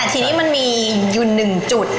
แต่ทีนี้มันมีอยู่หนึ่งจุด